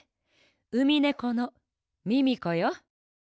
ウミネコのミミコよ！